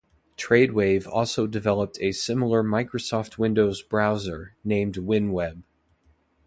TradeWave also developed a similar Microsoft Windows browser named WinWeb.